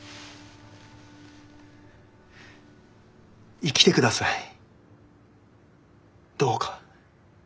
生きてくださいどうか。